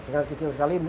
sangat kecil sekali ya